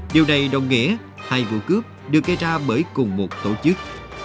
điều này đồng nghĩa hai vụ cướp được gây ra bởi cùng một tổ chức